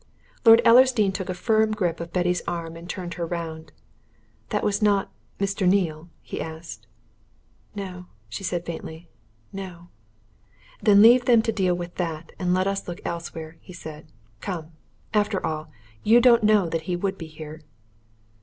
Lord Ellersdeane took a firm grip of Betty's arm and turned her round. "That was not Mr. Neale?" he asked. "No!" she said faintly. "No!" "Then leave them to deal with that, and let us look elsewhere," he said. "Come after all, you don't know that he would be here."